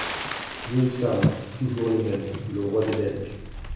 Jolies femmes… toujours les mêmes… le roi des Belges.